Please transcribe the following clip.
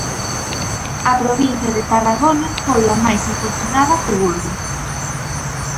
A provincia de Tarragona foi a máis afortunada co Gordo.